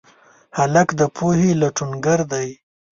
هلک د پوهې لټونګر دی.